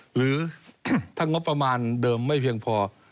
หรือถ้างบประมาณเดิมไม่เพียงพอ